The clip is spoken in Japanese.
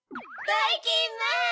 ばいきんまん！